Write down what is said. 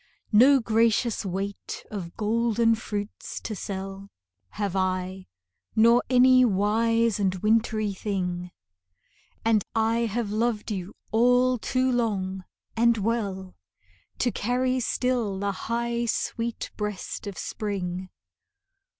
No gracious weight of golden fruits to sell Have I, nor any wise and wintry thing; And I have loved you all too long and well To carry still the high sweet breast of spring.